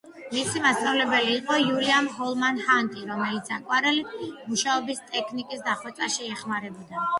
მისი მასწავლებელი იყო უილიამ ჰოლმან ჰანტი, რომელიც აკვარელით მუშაობის ტექნიკის დახვეწაში ეხმარებოდა.